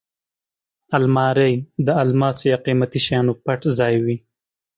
الماري د الماس یا قېمتي شیانو پټ ځای وي